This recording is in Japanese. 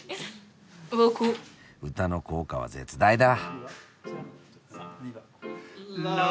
歌の効果は絶大だ。